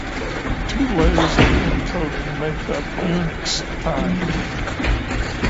Two layers of encoding make up Unix time.